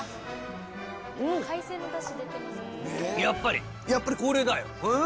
やっぱりやっぱりこれだよ。